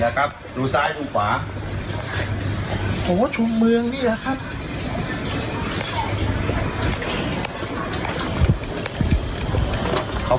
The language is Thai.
นี่ล่ะครับลูซ้ายดูขวาโหชุมเมืองนี่ล่ะครับ